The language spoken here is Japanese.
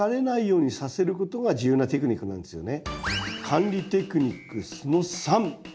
管理テクニックその３！